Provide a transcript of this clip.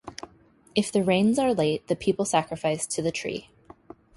If the rains are late, the people sacrifice to the tree.